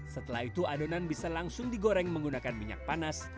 setelah itu adonan bisa langsung digoreng menggunakan minyak panas